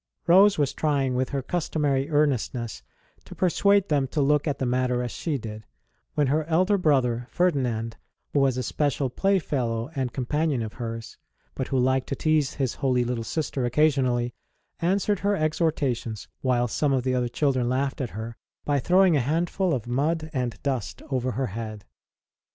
Rose was trying with her customary earnestness to persuade them to look at the matter as she did, when her elder brother, Ferdi nand who was a special playfellow and com panion of hers, but who liked to tease his holy little sister occasionally answered her exhorta tions, while some of the other children laughed at her, by throwing a handful of mud and dust over her head.